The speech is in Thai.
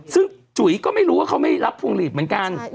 ซึ่งจุ๋ยก็ไม่รู้ว่าเขาไม่รับพวงหลีดเหมือนกัน